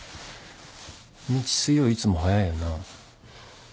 みち水曜いつも早いよな？